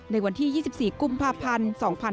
ในวันที่๒๔กุมภาพันธ์๒๕๕๙